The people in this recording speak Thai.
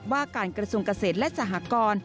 ว่าการกระทรวงเกษตรและสหกร